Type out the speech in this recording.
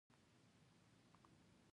جرګه د دواړو خواوو خبرې اوري.